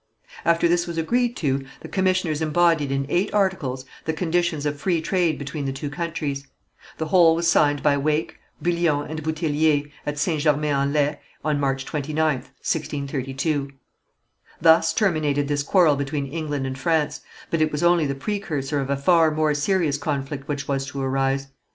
After this was agreed to, the commissioners embodied in eight articles the conditions of free trade between the two countries. The whole was signed by Wake, Bullion and Bouthillier, at St. Germain en Laye, on March 29th, 1632. Thus terminated this quarrel between England and France, but it was only the precursor of a far more serious conflict which was to arise.